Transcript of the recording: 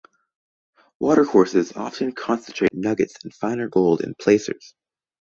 Watercourses often concentrate nuggets and finer gold in placers.